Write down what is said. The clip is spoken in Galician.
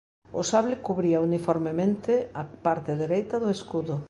O sable cubría uniformemente a parte dereita do escudo.